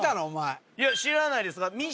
お前いや知らないです